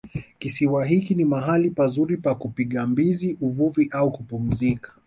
Kisiwa hiki ni mahali pazuri pa kupiga mbizi uvuvi au kupumzika